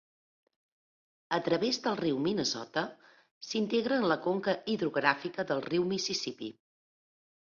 A través del riu Minnesota, s'integra en la conca hidrogràfica del riu Mississipí.